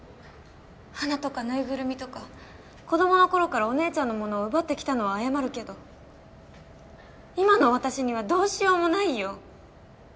花とかぬいぐるみとか子どもの頃からお姉ちゃんの物を奪ってきたのは謝るけど今の私にはどうしようもないよ。